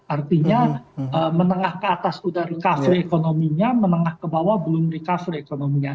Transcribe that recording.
artinya menengah ke atas sudah recovery ekonominya menengah ke bawah belum recover ekonominya